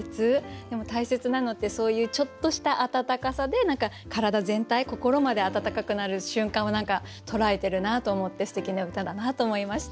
でも大切なのってそういうちょっとした温かさで体全体心まで温かくなる瞬間を何か捉えてるなと思ってすてきな歌だなと思いました。